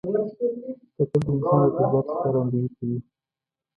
کتل د انسان د طبیعت ښکارندویي کوي